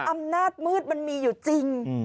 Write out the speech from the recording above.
อำนาจมืดมันมีอยู่จริง